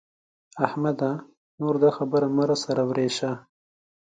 احمده! نور دا خبره مه را سره ورېشه.